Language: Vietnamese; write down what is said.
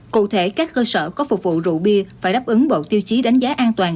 cụ thể các cơ sở có phục vụ rượu bia phải đáp ứng bộ tiêu chí đánh giá an toàn